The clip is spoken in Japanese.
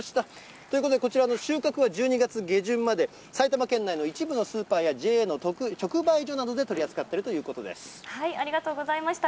ということで、こちらの収穫は１２月下旬まで、埼玉県内の一部のスーパーやＪＡの直売所などで取り扱っているとありがとうございました。